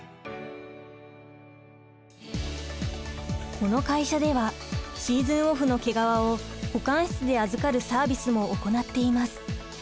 この会社ではシーズンオフの毛皮を保管室で預かるサービスも行っています。